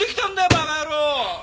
バカ野郎！